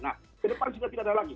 nah ke depan sudah tidak ada lagi